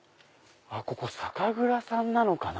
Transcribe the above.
ここ酒蔵さんなのかな。